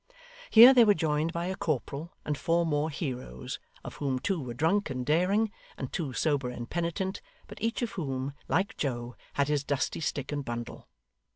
Here they were joined by a corporal and four more heroes, of whom two were drunk and daring, and two sober and penitent, but each of whom, like Joe, had his dusty stick and bundle.